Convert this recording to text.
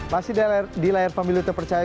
masih di layar pemilu terpercaya